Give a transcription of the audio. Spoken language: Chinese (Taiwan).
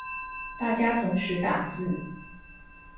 大家同時打字